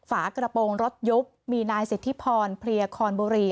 ฝากระโปรงรถยุบมีนายสิทธิพรเพลียคอนบุรี